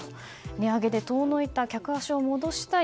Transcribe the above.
値上げで遠のいた客足を戻したい。